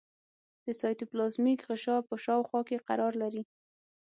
د سایتوپلازمیک غشا په شاوخوا کې قرار لري.